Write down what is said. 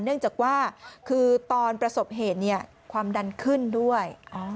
เนื่องจากว่าคือตอนประสบเหตุความดันขึ้นด้วย